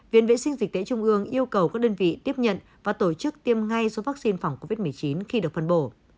viện vệ sinh dịch tễ trung ương yêu cầu các đơn vị tiếp nhận và tổ chức tiêm ngay số vaccine phòng covid một mươi chín khi được phân bổ